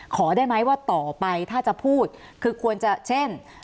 ขอได้ไหมว่าต่อไปถ้าจะพูดคือควรจะเช่น